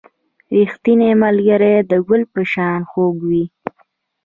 • ریښتینی ملګری د ګل په شان خوږ وي.